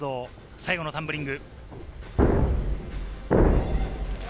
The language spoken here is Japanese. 最後のタンブリング。